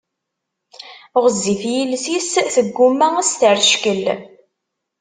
Ɣezzif yiles-is, tegguma ad as-terr ckkel.